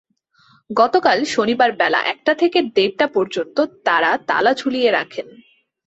গতকাল শনিবার বেলা একটা থেকে দেড়টা পর্যন্ত তাঁরা তালা ঝুলিয়ে রাখেন।